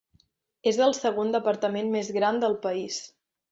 És el segon departament més gran del país.